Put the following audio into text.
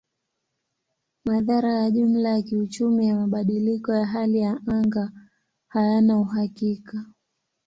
Madhara ya jumla ya kiuchumi ya mabadiliko ya hali ya anga hayana uhakika.